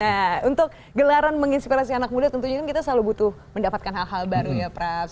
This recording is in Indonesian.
nah untuk gelaran menginspirasi anak muda tentunya kan kita selalu butuh mendapatkan hal hal baru ya prap